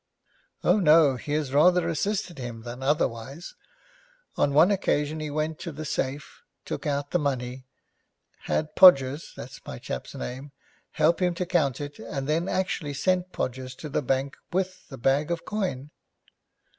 'Oh no, he has rather assisted him than otherwise. On one occasion he went to the safe, took out the money, had Podgers that's my chap's name help him to count it, and then actually sent Podgers to the bank with the bag of coin.'